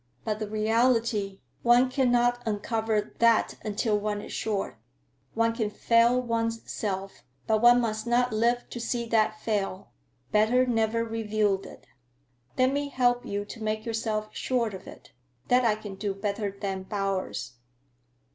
But the reality, one cannot uncover that until one is sure. One can fail one's self, but one must not live to see that fail; better never reveal it. Let me help you to make yourself sure of it. That I can do better than Bowers."